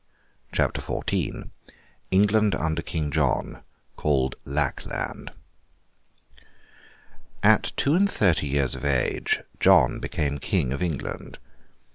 CHAPTER XIV ENGLAND UNDER KING JOHN, CALLED LACKLAND At two and thirty years of age, John became King of England.